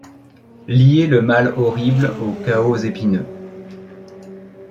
Lier le mal horrible au chaos épineux